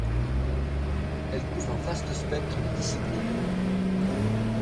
Elle couvre un vaste spectre de disciplines.